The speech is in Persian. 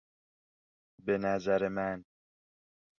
به نظر من